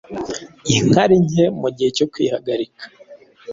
inkari nke mu gihe cyo kwihagarika